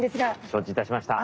承知いたしました。